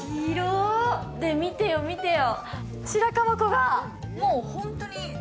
見てよ見てよ。